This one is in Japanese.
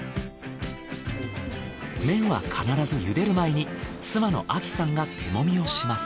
麺は必ず茹でる前に妻の亜希さんが手もみをします。